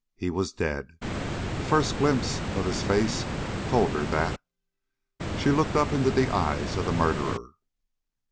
He was dead. The first glimpse of his face told her that. She looked up into the eyes of the murderer.